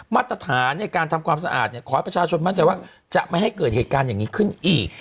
มาตรฐานในการทำความสะอาดเนี่ยขอให้ประชาชนมั่นใจว่าจะไม่ให้เกิดเหตุการณ์อย่างนี้ขึ้นอีก